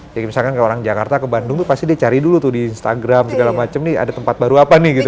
jadi misalkan orang jakarta ke bandung tuh pasti dia cari dulu tuh di instagram segala macam nih ada tempat baru apa nih gitu